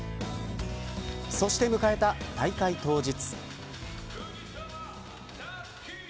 そして迎えた大会当日。